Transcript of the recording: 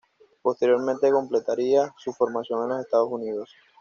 Posteriormente completaría su formación en los Estados Unidos.